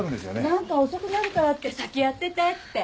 何か遅くなるからって先やっててって。